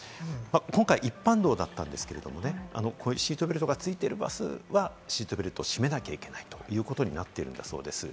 今回、一般道だったんですけれど、シートベルトがついているバスはシートベルトを締めなきゃいけないということになっているんだそうです。